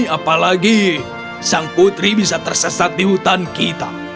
apalagi sang putri bisa tersesat di hutan kita